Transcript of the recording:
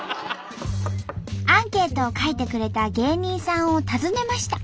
アンケートを書いてくれた芸人さんを訪ねました。